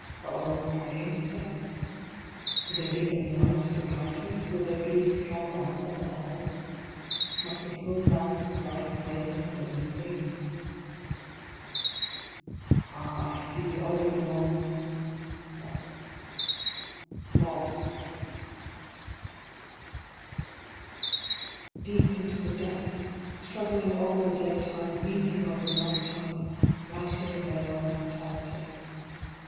Are all its prayings vain"? Will there be no light to guide me ? Will there be strong arm at the helm ? Must the full lamp of life wane so early? Ah, I see, all is lost lost lost ! IIL Deep into the depths ! Struggling all the day time weeping all the night time ! Writing away all vitality.